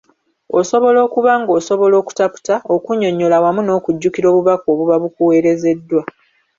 Osobola okuba ng’osobola okutaputa, okunnyonnyola wamu n’okujjukira obubaka obuba bukuweerezeddwa.